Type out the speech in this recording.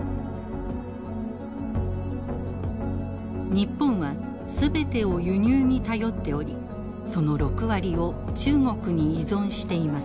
日本は全てを輸入に頼っておりその６割を中国に依存しています。